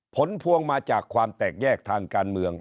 ผลพวงมาจากความแตกแยกทางการเมือง